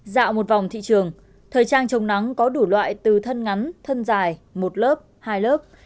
dạo một vòng thị trường thời trang chống nắng có đủ loại từ thân ngắn thân dài một lớp hai lớp